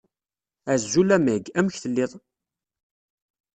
Azul a Meg, amek tellid?